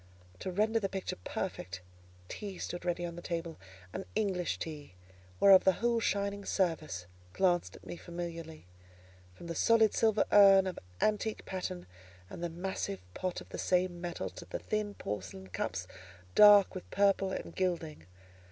To render the picture perfect, tea stood ready on the table—an English tea, whereof the whole shining service glanced at me familiarly; from the solid silver urn, of antique pattern, and the massive pot of the same metal, to the thin porcelain cups, dark with purple and gilding.